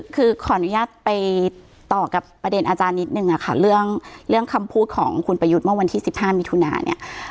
คือขออนุญาตไปต่อกับประเด็นอาจารย์นิดนึงค่ะเรื่องคำพูดของคุณประยุทธ์เมื่อวันที่๑๕มิถุนาเนี่ย